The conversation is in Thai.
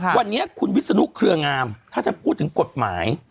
วันนี้คุณวิศนุเครืองามถ้าจะพูดถึงกฎหมาย